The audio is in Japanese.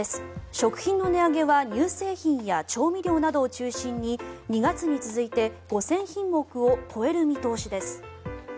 食品の値上げは乳製品や調味料を中心に２月に続いて５０００品目を超える見通しです。